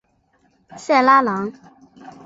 萨莱朗。